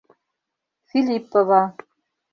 Филиппова.